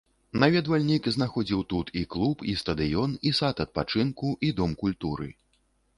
Наведвальнік знаходзіў тут і клуб, і стадыён, і сад адпачынку, і дом культуры.